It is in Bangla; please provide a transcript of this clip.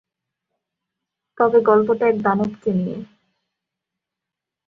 তবে গল্পটা এক দানবকে নিয়ে।